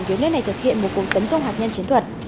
dưới nơi này thực hiện một cuộc tấn công hạt nhân chiến thuật